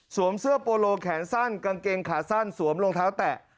เสื้อโปโลแขนสั้นกางเกงขาสั้นสวมรองเท้าแตะ